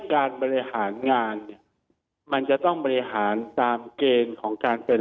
การบริหารงานเนี่ยมันจะต้องบริหารตามเกณฑ์ของการเป็น